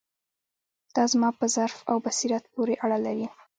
دا زما په ظرف او بصیرت پورې اړه لري.